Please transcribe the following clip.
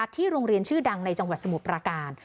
ที่โรงเรียนชื่อดังในจังหวัดสมุทรประการ